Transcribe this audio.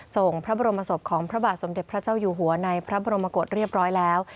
ส่งพระบรมศพของพระบาทสมเด็จพระเจ้าอยู่หัวในพระบรมกฏเรียบร้อยแล้ว